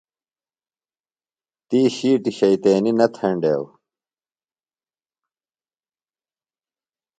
تی شِیٹیۡ شیطینیۡ نہ تھینڈیوۡ۔